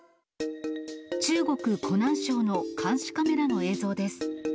中国・湖南省の監視カメラの映像です。